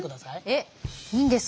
えっいいんですか。